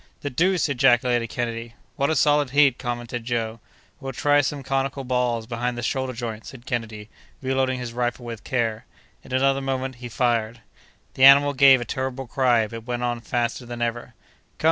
"The deuce!" ejaculated Kennedy. "What a solid head!" commented Joe. "We'll try some conical balls behind the shoulder joint," said Kennedy, reloading his rifle with care. In another moment he fired. The animal gave a terrible cry, but went on faster than ever. "Come!"